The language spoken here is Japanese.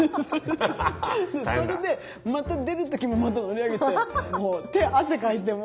それでまた出る時もまた乗り上げてもう手汗かいてもう。